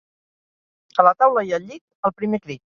A la taula i al llit, al primer crit